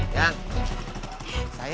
jangan lari lo